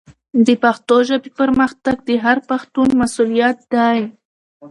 د پښتو ژبې پرمختګ د هر پښتون مسؤلیت دی.